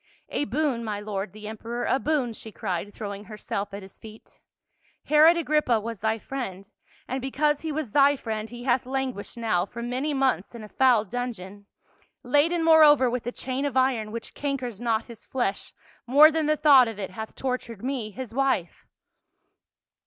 "A boon, my lord, the emperor, a boon," she cried, throwing herself at his feet. " Herod Agrippa was thy friend, and because he was thy friend he hath languished now for many months in a foul dungeon, laden moreover with a chain of iron which cankers not his flesh more than the thought of it hath tortured me, his wife."